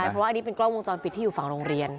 เพราะว่าอันนี้เป็นกล้องวงจรปิดที่อยู่ฝั่งโรงเรียน